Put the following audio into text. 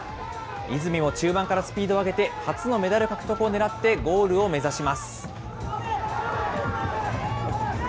泉も中盤からスピードを上げて初のメダル獲得をねらってゴールを目指します。